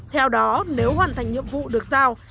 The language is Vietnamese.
theo đó nếu hoàn thành nhiệm vụ được giao